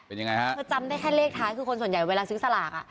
เธอจำได้แค่เลขท้ายคือคนส่วนใหญ่เวลาซื้อสลาก